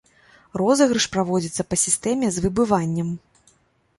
Розыгрыш праводзіцца па сістэме з выбываннем.